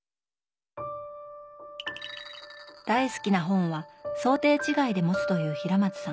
大好きな本は装丁違いで持つという平松さん。